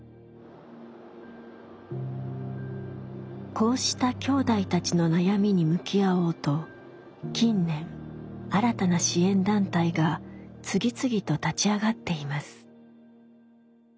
こうしたきょうだいたちの悩みに向き合おうと近年新たな支援団体が次々と立ち上がっています。